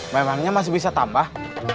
memangnya masih bisa tambah